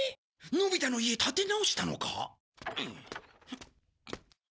のび太の家建て直したのか？